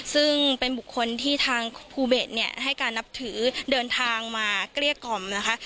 ซึ่งเป็นบุคคลที่ทางภูเบสเนี่ยให้การนับถือเดินทางมาเกลี้ยกล่อมนะคะ